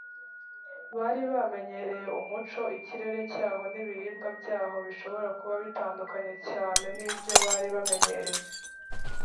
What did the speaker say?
bari bamenyereye umuco ikirere cyaho n’ ibiribwa byaho bishobora kuba bitandukanye cyane n ‘ibyo bari bamenyereye.